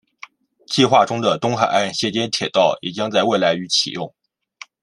计划中的东海岸衔接铁道也将在未来于启用。